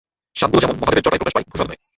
সাপগুলো যেমন মহাদেবের জটায় প্রকাশ পায় ভূষণ হয়ে।